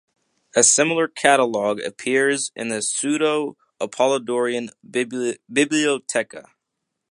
A similar catalogue appears in the Pseudo-Apollodoran "Bibliotheca".